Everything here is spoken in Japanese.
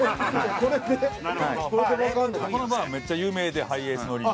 ここのバーはめっちゃ有名でハイエース乗りに。